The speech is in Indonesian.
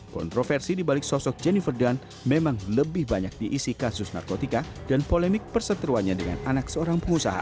kontroversi dibalik sosok jennifer dunn memang lebih banyak diisi kasus narkotika dan polemik perseteruannya dengan anak seorang pengusaha